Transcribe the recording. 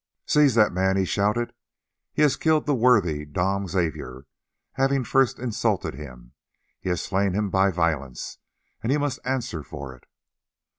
"Seize that man," he shouted; "he has killed the worthy Dom Xavier: having first insulted him, he has slain him by violence, and he must answer for it."